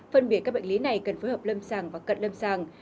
phân biệt các bệnh lý này cần phối hợp lâm sàng và cận lâm sàng